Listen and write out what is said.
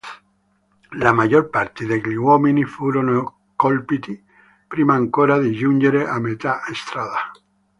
La maggior parte degli uomini furono colpiti prima ancora di giungere a metà strada.